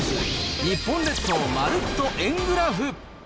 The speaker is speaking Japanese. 日本列島まるっと円グラフ。